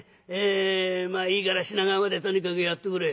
まあいいから品川までとにかくやってくれ」。